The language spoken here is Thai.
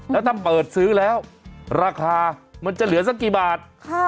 แล้วถ้าเปิดซื้อแล้วราคามันจะเหลือสักกี่บาท